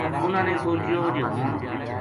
اُنھاں نے سوچیو جے ہن